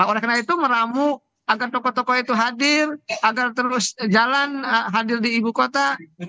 oleh karena itu meramu agar tokoh tokoh itu hadir agar terus jalan hadir di ibu kota